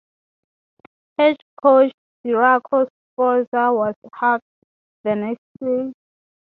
Head coach Ciriaco Sforza was sacked the next day.